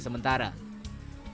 jangan lama lama mauf